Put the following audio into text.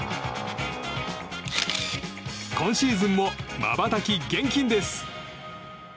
今シーズンもまばたき厳禁です。